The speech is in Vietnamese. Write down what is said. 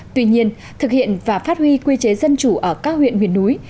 tuy nhiên thực hiện và phát huy quy chế dân chủ ở các huyện miền núi